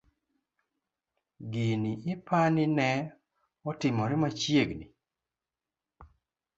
Gini ipani ne otimore machiegni?